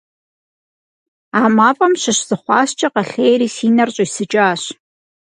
А мафӀэм щыщ зы хъуаскӀэ къэлъейри си нэр щӀисыкӀащ.